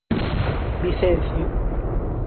Vicencio.